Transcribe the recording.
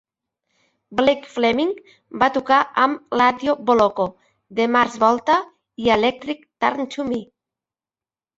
Blake Fleming va tocar amb Laddio Bolocko, The Mars Volta i Electric Turn to Me.